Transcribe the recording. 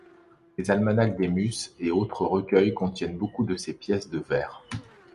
Les almanachs des Muses et autres recueils contiennent beaucoup de ses pièces de vers.